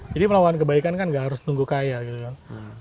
jadi melakukan kebaikan kan nggak harus tunggu kaya gitu kan